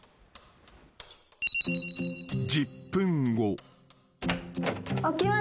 ［１０分後］